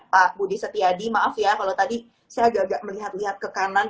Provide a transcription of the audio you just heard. pak budi setiadi maaf ya kalau tadi saya agak agak melihat lihat ke kanan